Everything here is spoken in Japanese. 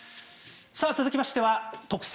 続きましては特選！！